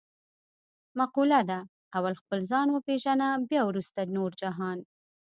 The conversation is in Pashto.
مقوله ده: اول خپل ځان و پېژنه بیا ورسته نور جهان.